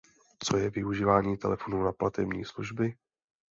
Co je využívání telefonu na platební služby?